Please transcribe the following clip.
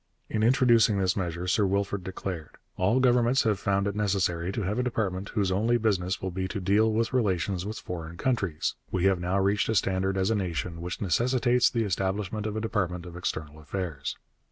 In introducing this measure Sir Wilfrid declared: 'All governments have found it necessary to have a department whose only business will be to deal with relations with foreign countries.... We have now reached a standard as a nation which necessitates the establishment of a Department of External Affairs.'